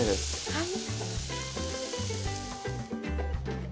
はい。